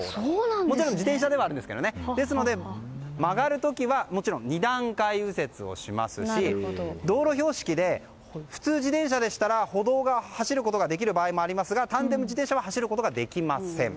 もちろん自転車でもあるんですけど曲がる時は二段階右折をしますし道路標識で普通自転車でしたら歩道を走ることができる場合がありますがタンデム自転車は走ることができません。